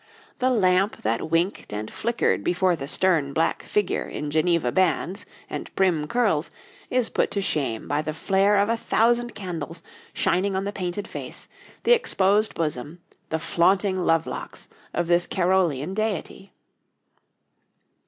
The lamp that winked and flickered before the stern black figure in Geneva bands and prim curls is put to shame by the flare of a thousand candles shining on the painted face, the exposed bosom, the flaunting love locks of this Carolean deity.